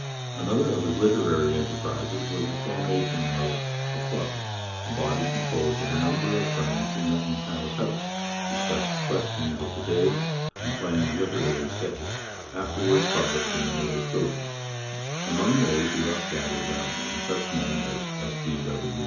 Another of his literary enterprises was the formation of 'The Club,' a body composed of a number of friends who met in Howe's house, discussed the questions of the day, and planned literary sketches, afterwards published in the Nova Scotian. Among those who thus gathered round him, such men as S. G. W.